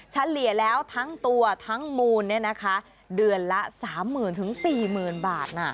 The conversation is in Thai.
เฉลี่ยแล้วทั้งตัวทั้งมูลเนี่ยนะคะเดือนละ๓๐๐๐๐๔๐๐๐๐บาทนะ